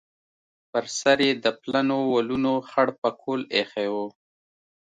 پر سر یې د پلنو ولونو خړ پکول ایښی و.